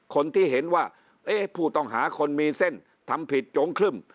คนที่เห็นว่าเอ๊ะผู้ต้องหาคนมีเส้นทำผิดโจงครึ่ม